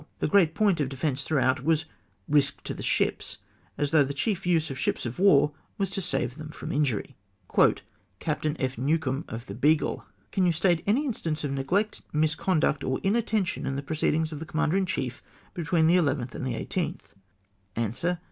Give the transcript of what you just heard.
The great point of defence throughout was risk to the ships, as though the chief use of ships of war was to save them from injury. Captain F. Newcombe (of the Beagle). —" Can you state any instance of neglect, misconduct, or inattention in the proceedings of the Commander in chief, between the 11th and the 18th?" Answer.